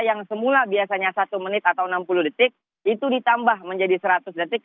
yang semula biasanya satu menit atau enam puluh detik itu ditambah menjadi seratus detik